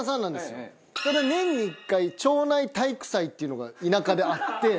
それで年に１回町内体育祭っていうのが田舎であって。